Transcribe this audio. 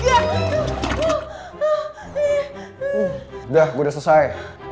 udah udah selesai